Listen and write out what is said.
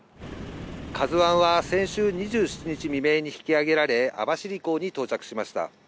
ＫＡＺＵＩは先週２７日未明に引き揚げられ、網走港に到着しました。